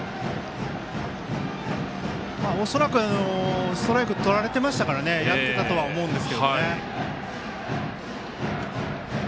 恐らくストライクとられてましたからねやってたとは思いますけどね。